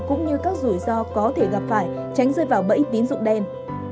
cũng như các rủi ro có thể gặp phải tránh rơi vào bẫy tín dụng đen